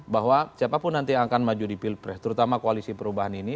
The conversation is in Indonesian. bahwa siapapun nanti yang akan maju di pilpres terutama koalisi perubahan ini